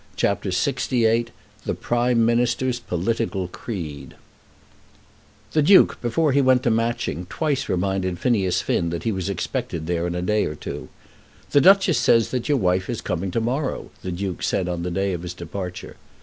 CHAPTER LXVIII The Prime Minister's Political Creed The Duke, before he went to Matching, twice reminded Phineas Finn that he was expected there in a day or two. "The Duchess says that your wife is coming to morrow," the Duke said on the day of his departure.